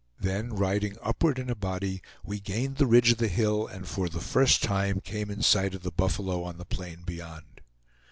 Then riding upward in a body, we gained the ridge of the hill, and for the first time came in sight of the buffalo on the plain beyond.